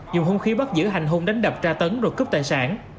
dùng hung khí bắt giữ hành hung đánh đập tra tấn rồi cướp tài sản